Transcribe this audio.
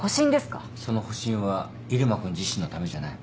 その保身は入間君自身のためじゃない。